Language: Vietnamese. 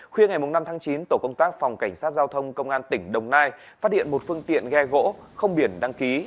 khuya ngày năm tháng chín tổ công tác phòng cảnh sát giao thông công an tỉnh đồng nai phát hiện một phương tiện ghe gỗ không biển đăng ký